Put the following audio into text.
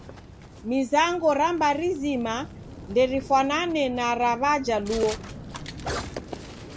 Mizango ra mbari zima nderifwanane na ra Wajaluo.